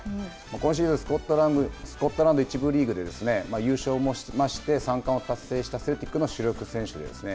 今シーズン、スコットランド１部リーグで優勝もしまして、三冠を達成したセルティックの主力選手ですね。